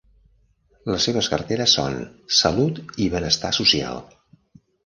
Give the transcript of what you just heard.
Les seves carteres són Salut i Benestar social.